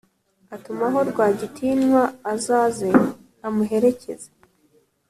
atumaho rwagitinywa azaze amuherekeze